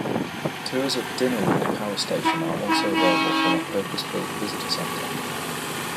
Tours of Dinorwig power station are also available from a purpose-built visitor centre.